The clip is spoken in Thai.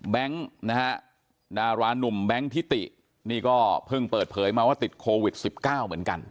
นะฮะดารานุ่มแบงค์ทิตินี่ก็เพิ่งเปิดเผยมาว่าติดโควิด๑๙เหมือนกัน